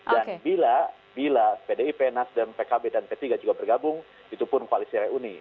dan bila pdip nasdem pkb dan p tiga juga bergabung itu pun koalisi reuni